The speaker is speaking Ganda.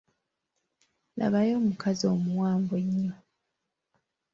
Labayo omukazi omuwanvu ennyo.